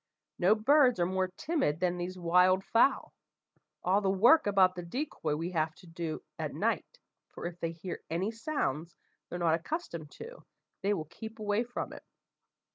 No birds are more timid than these wild fowl. All the work about the decoy we have to do at night, for if they hear any sounds they're not accustomed to, they will keep away from it.